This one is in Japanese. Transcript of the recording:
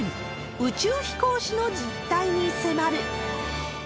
宇宙飛行士の実態に迫る。